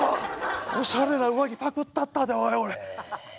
おしゃれな上着パクったったでおい！